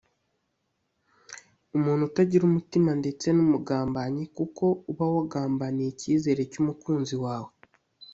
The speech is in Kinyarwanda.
umuntu utagira umutima ndetse n’umugambanyi kuko uba wagambaniye icyizere cy’umukunzi wawe